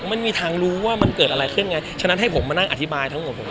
ไม่มีทางรู้ว่ามันเกิดอะไรขึ้นไงฉะนั้นให้ผมมานั่งอธิบายทั้งหมดผม